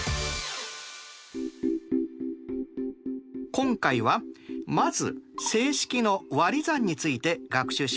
今回はまず整式のわり算について学習しました。